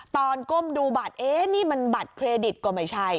ก้มดูบัตรเอ๊ะนี่มันบัตรเครดิตก็ไม่ใช่